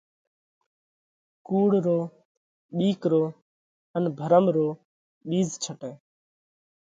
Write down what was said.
ڪُوڙ رو، ٻِيڪ رو ان ڀرم رو ٻِيز ڇٽئه